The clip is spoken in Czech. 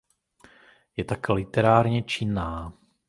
Je také literárně činná.